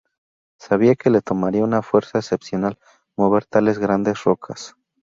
Sabía que le tomaría una fuerza excepcional mover tales grandes rocas.